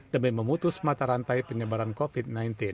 demi memutus mata rantai penyebaran covid sembilan belas